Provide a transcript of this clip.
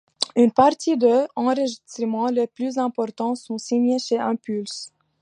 Une partie des enregistrements les plus importants sont signés chez Impulse!